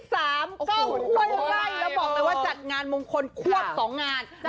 กล้องถ้วยไล่แล้วบอกเลยว่าจัดงานมงคลควบสองงาน